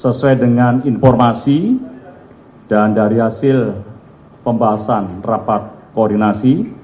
sesuai dengan informasi dan dari hasil pembahasan rapat koordinasi